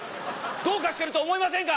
どうかしてると思いませんか？」。